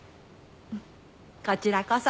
こちらこそ。